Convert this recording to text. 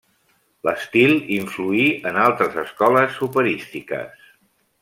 L'estil influí en altres escoles operístiques.